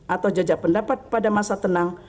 atau jajak pendapat pada masa tenang